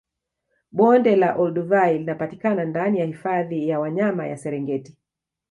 Bonde la Olduvai linapatikana ndani ya hifadhi ya wanyama ya Serengeti